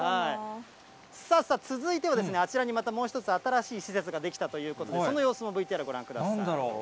さあさあ、続いてはですね、あちらにまたもう一つ、新しい施設が出来たということで、その様子もＶＴＲご覧ください。